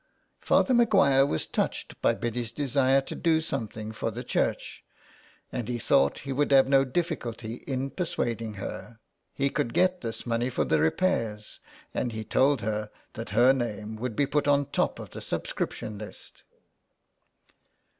Father Maguire was touched by Biddy's desire to do something for the church, and he thought he would have no difficulty in persuading her. He could get 50 SOME PARISHIONERS. this money for the repairs, and he told her that her name would be put on the top of the subscription list.